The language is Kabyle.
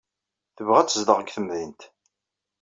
Tebɣa ad tezdeɣ deg temdint.